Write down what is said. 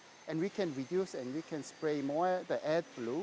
dan kita bisa mengurangkan atau mengukur lebih banyak